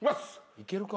いけるか？